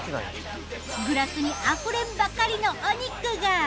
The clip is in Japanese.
グラスにあふれんばかりのお肉が。